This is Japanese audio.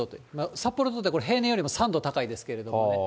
札幌にとって平年よりも３度高いですけれどもね。